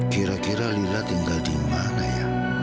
kira kira lila tinggal di mana ya